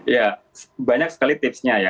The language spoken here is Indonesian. ya banyak sekali tipsnya ya